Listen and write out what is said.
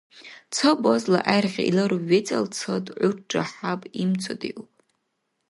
Ца базла гӏергъи илар вецӏалцад гӏурра хӏяб имцӏадиуб.